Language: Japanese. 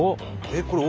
えっ？